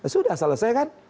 sudah selesai kan